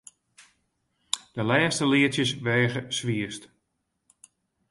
De lêste leadsjes weage swierst.